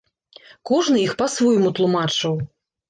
Кожны іх па-свойму тлумачыў.